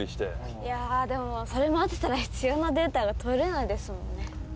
いやでもそれ待ってたら必要なデータが取れないですもんね。